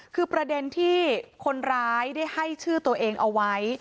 คือประเด็นที่คนร้ายได้ให้ชื่อตัวเองเอาไว้